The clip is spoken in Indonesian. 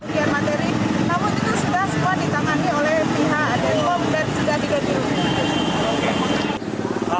namun itu sudah semua ditangani oleh pihak adekom dan sudah diganti rugi